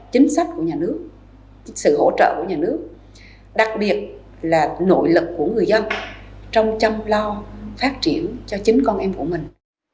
chính sách của nhà nước sự hỗ trợ của nhà nước đặc biệt là nội lực của người dân trong chăm lo phát triển cho chính con em của mình